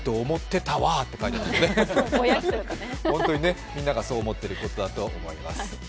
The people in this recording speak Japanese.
もう、みんながそう思っていることだと思います。